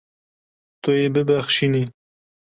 Tu yê bibexşînî.